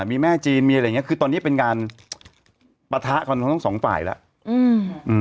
มีแม่จีนมีอะไรอย่างเงี้คือตอนนี้เป็นการปะทะกันของทั้งสองฝ่ายแล้วอืม